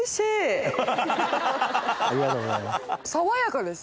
爽やかです。